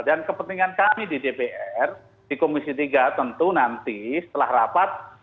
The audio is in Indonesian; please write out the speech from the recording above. dan kepentingan kami di dpr di komisi tiga tentu nanti setelah rapat